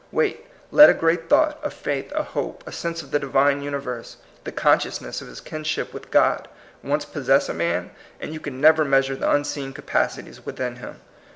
Wait, let a great thought, a faith, a hope, a sense of the Divine universe, the consciousness of his kinship with God, once possess a man, and you can never measure the unseen capacities within him.